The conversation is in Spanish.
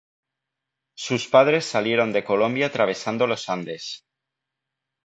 Sus padres salieron de Colombia atravesando Los Andes.